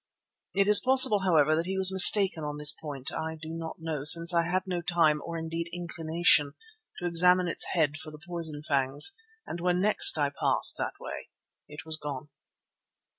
It is possible, however, that he was mistaken on this point; I do not know, since I had no time, or indeed inclination, to examine its head for the poison fangs, and when next I passed that way it was gone.